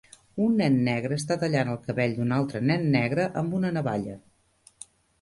Un nen negre està tallant el cabell d'un altre nen negre amb una navalla.